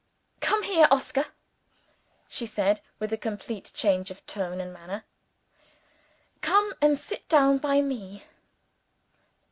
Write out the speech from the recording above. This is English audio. "Come here, Oscar," she said, with a complete change of tone and manner. "Come and sit down by me."